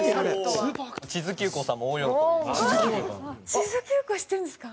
智頭急行知ってるんですか？